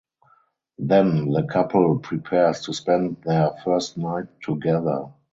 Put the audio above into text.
Then the couple prepares to spend their first night together.